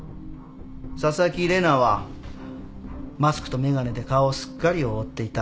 紗崎玲奈はマスクと眼鏡で顔をすっかり覆っていた。